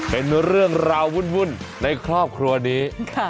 เป็นเรื่องราววุ่นในครอบครัวนี้